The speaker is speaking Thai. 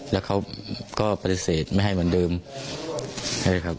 แล้วเขาก็ปฏิเสธไม่ให้เหมือนเดิมใช่ไหมครับ